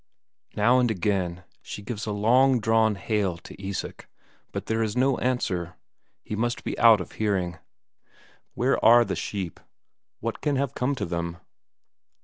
Now and again she gives a long drawn hail to Isak, but there is no answer; he must be out of hearing. Where are the sheep what can have come to them?